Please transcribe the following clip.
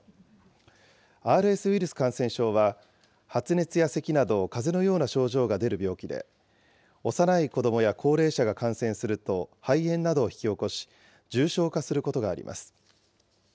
ＲＳウイルス感染症は、発熱やせきなど、かぜのような症状が出る病気で、幼い子どもや高齢者が感染すると、肺炎などを引き起こし、重症化することがあります。